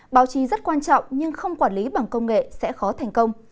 báo chí rất quan trọng nhưng không quản lý bằng công nghệ sẽ khó thành công